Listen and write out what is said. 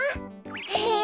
へえ。